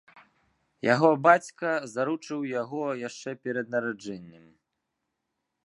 Яго бацька заручыў яго яшчэ перад нараджэннем.